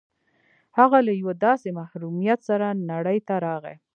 هغه له یوه داسې محرومیت سره نړۍ ته راغی